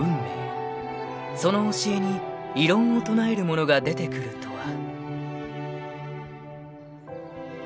［その教えに異論を唱える者が出てくるとは］